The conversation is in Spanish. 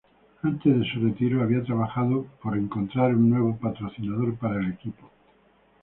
Antes de su retiro había trabajado en encontrar un nuevo patrocinador para el equipo.